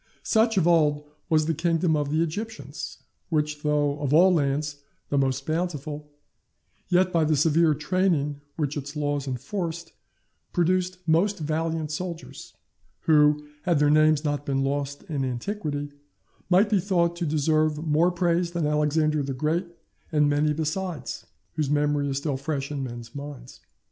Such, of old, was the kingdom of the Egyptians, which, though of all lands the most bountiful, yet, by the severe training which its laws enforced, produced most valiant soldiers, who, had their names not been lost in antiquity, might be thought to deserve more praise than Alexander the Great and many besides, whose memory is still fresh in men's minds.